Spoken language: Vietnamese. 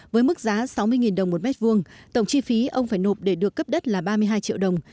với mức giá sáu mươi đồng một mét vuông tổng chi phí ông phải nộp để được cấp đất là ba mươi hai triệu đồng